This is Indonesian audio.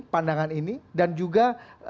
pandangan ini dan juga